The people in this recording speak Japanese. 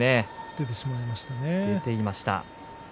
出てしまいました。